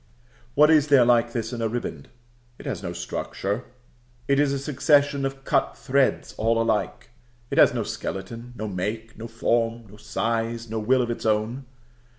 What is there like this in a riband? It has no structure: it is a succession of cut threads all alike; it has no skeleton, no make, no form, no size, no will of its own.